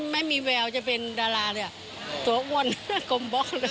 ไม่มีแววจะเป็นดาราเลยตัวอ้วนกลมบล็อกเลย